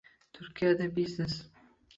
Turkiyada biznes